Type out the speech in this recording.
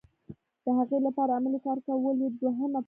د هغې لپاره عملي کار کول یې دوهمه پوړۍ ده.